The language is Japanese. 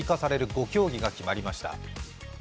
５競技が決まりました。